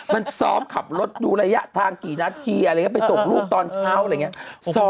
มันซ้อมขับรถดูระยะทางกี่นาทีไปส่งลูกตอนเช้าอะไรอย่างนี้